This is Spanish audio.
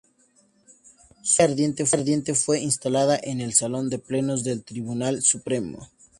Su capilla ardiente fue instalada en el salón de plenos del Tribunal Supremo.